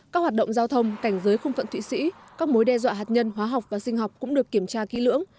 các hoạt động giao thông cảnh giới không phận thụy sĩ các mối đe dọa hạt nhân hóa học và sinh học cũng được kiểm tra kỹ lưỡng